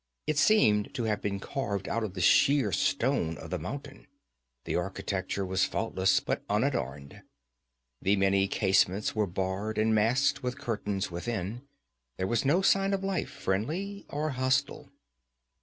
It seemed to have been carved out of the sheer stone of the mountain. The architecture was faultless, but unadorned. The many casements were barred and masked with curtains within. There was no sign of life, friendly or hostile.